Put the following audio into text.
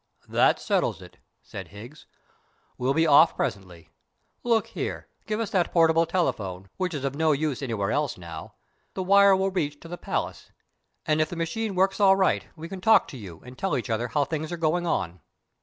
"That settles it," said Higgs; "we'll be off presently. Look here, give us that portable telephone, which is of no use anywhere else now. The wire will reach to the palace, and if the machine works all right we can talk to you and tell each other how things are going on."